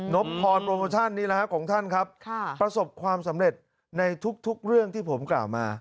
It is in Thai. บพรโปรโมชั่นนี่แหละฮะของท่านครับประสบความสำเร็จในทุกเรื่องที่ผมกล่าวมา